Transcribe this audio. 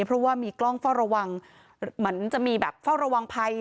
เพราะว่ามีกล้องเฝ้าระวังเหมือนจะมีแบบเฝ้าระวังภัย